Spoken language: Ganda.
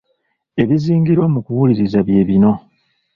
Ebizingirwa mu kuwuliriza bye bino.